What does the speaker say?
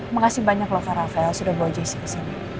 makasih banyak loh kak rafael sudah bawa jessi kesini